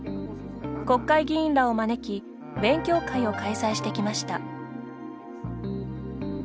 国会議員らを招き勉強会を開催してきました。